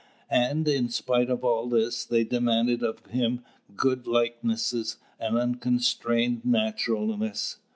And in spite of all this, they demanded of him good likenesses and unconstrained naturalness.